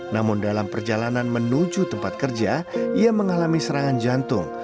namun dalam perjalanan menuju tempat kerja ia mengalami serangan jantung